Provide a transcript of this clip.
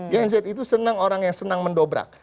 gen z itu senang orang yang senang mendobrak